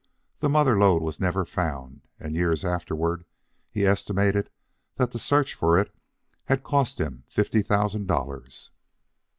The mother lode was never found, and, years afterward, he estimated that the search for it had cost him fifty thousand dollars.